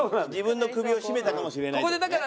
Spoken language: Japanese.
自分の首を絞めたかもしれないって事ね。